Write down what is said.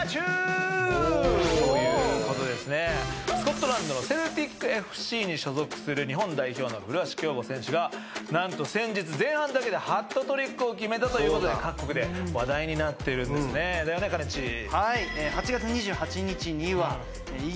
スコットランドのセルティックＦＣに所属する日本代表の古橋亨梧選手が何と先日前半だけでハットトリックを決めたということで各国で話題になっているんですねだよねかねちー。